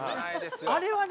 あれはね